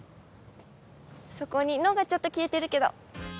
そこに「の」がちょっと消えてるけど。